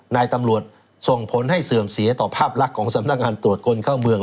นายตำรวจส่งผลให้เสื่อมเสียต่อภาพลักษณ์ของสำนักงานตรวจคนเข้าเมือง